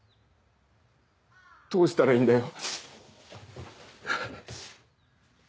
どうしたらいいんだよ？